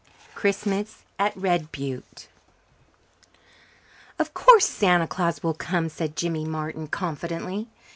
Christmas at Red Butte "Of course Santa Claus will come," said Jimmy Martin confidently.